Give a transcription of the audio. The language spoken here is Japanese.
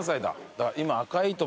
だから今。